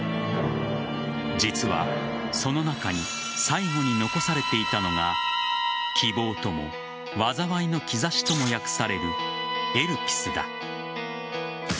実はその中に最後に残されていたのが希望とも災いの兆しとも訳されるエルピスだ。